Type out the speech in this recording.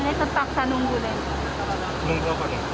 jadi terpaksa nunggu deh